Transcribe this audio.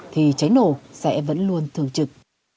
thì cháy nổ sẽ vẫn luôn thường trực